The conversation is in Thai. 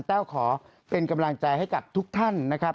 แต้วขอเป็นกำลังใจให้กับทุกท่านนะครับ